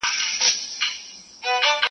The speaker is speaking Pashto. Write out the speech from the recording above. له شهپر څخه یې غشی دی جوړ کړی -